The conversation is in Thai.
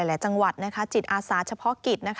หลายจังหวัดจิตอาสาชะเพาะกิจ